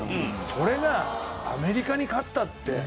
それがアメリカに勝ったって。